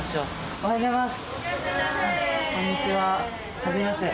おはようございます。